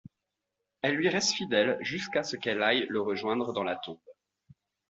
Elle lui reste fidèle jusqu'à ce qu'elle aille le rejoindre dans la tombe.